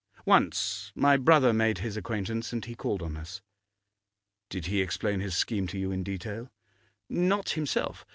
'Once. My brother made his acquaintance, and he called on us.' 'Did he explain his scheme to you in detail?' 'Not himself.